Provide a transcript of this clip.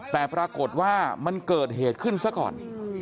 แต่ปรากฏว่ามันเกิดเหตุขึ้นซะก่อน